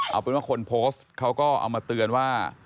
เอาเป็นว่าคนโพสต์เขาก็เอามาเตือนว่า